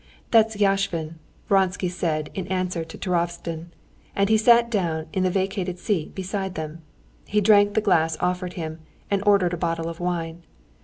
"That's Yashvin," Vronsky said in answer to Turovtsin, and he sat down in the vacated seat beside them. He drank the glass offered him, and ordered a bottle of wine.